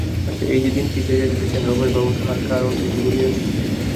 আচ্ছা, এই-যে দিন পিছাইয়া দিতেছেন, রমেশবাবু তাহার কারণ কিছু বলিয়াছেন?